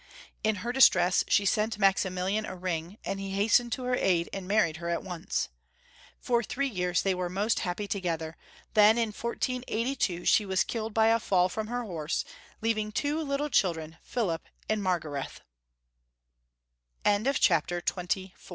In her distress she sent Maximilian a ring, and he hastened to her aid, and married her at once. For three years they were most happy to gether, then in 1482 she was killed by a fail from her horse, leaving two little children, Philip and Margaiethe. CHAPTER XXV. FR